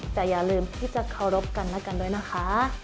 แต่อย่าลืมที่จะเคารพกันและกันด้วยนะคะ